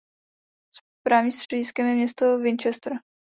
Správním střediskem je město Winchester.